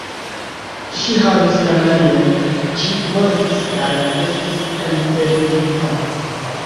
Ŝi havis kanarion; ĝi mortis kaj estis enterigita.